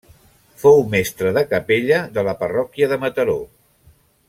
Fou mestre de capella de la parròquia de Mataró.